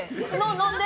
何で？